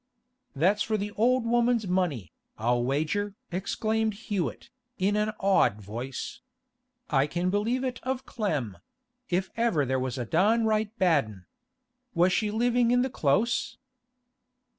'That's for the old woman's money, I'll wager!' exclaimed Hewett, in an awed voice. 'I can believe it of Clem; if ever there was a downright bad 'un! Was she living in the Close?